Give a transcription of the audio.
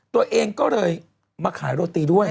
ตัวเองก็เลยมาขายโรตีด้วย